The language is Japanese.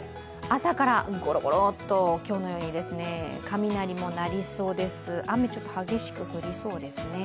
朝からゴロゴロと今日のように雷も鳴りそうです、雨、ちょっと激しく降りそうですね。